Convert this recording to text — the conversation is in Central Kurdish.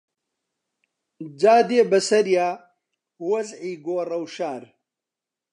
جا دێ بەسەریا وەزعی گۆڕەوشار